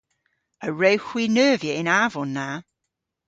A wrewgh hwi neuvya y'n avon na?